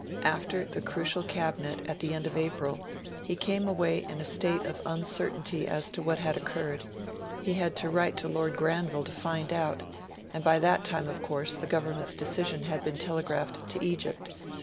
After the crucial Cabinet at the end of April, he came away in a state of uncertainty as to what had occurred; he had to write to Lord Granville to find out; and by that time, of course, the Government's decision had been telegraphed to Egypt.